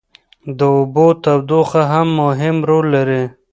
د اوبو تودوخه هم مهم رول لري.